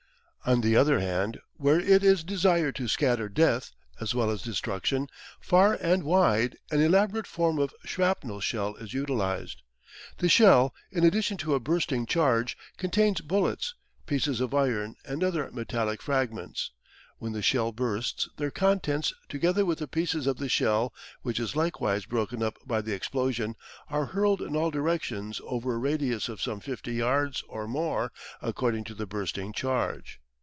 On the other hand, where it is desired to scatter death, as well as destruction, far and wide, an elaborate form of shrapnel shell is utilised. The shell in addition to a bursting charge, contains bullets, pieces of iron, and other metallic fragments. When the shell bursts, their contents, together with the pieces of the shell which is likewise broken up by the explosion, are hurled in all directions over a radius of some 50 yards or more, according to the bursting charge.